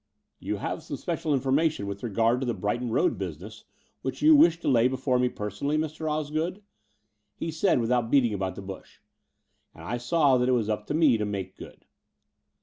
"You have some special information with regard to the Brighton Road business which you wish to lay before me personally, Mr. Osgood," he said without beating about the bush ; and I saw that it was up to me to make good.